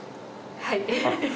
はい。